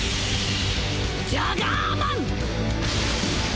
ジャガーマン！